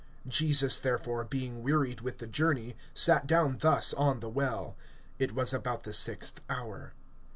Jesus therefore, being wearied with the journey, sat down thus on the well. It was about the sixth hour.